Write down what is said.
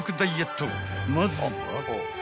［まずは］